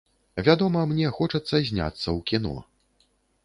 Вядома, мне хочацца зняцца ў кіно.